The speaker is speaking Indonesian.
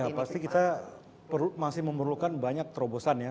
ya pasti kita masih memerlukan banyak terobosan ya